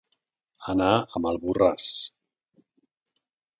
Anar a mal borràs.